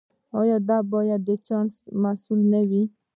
دا باید د چانس محصول نه وي.